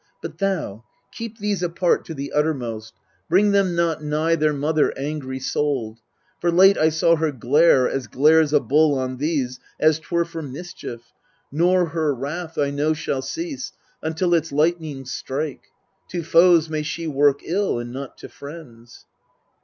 But thou, keep these apart to the uttermost : Bring them not nigh their mother angry souled. For late I saw her glare, as glares a bull On these, as 'twere for mischief ; nor her wrath, I know, shall cease, until its lightning strike. To foes may she work ill, and not to friends